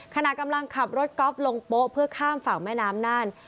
ขณะกำลังขับรถก๊อฟลงโป๊ะเพื่อข้ามฝั่งแม่น้ำน่าน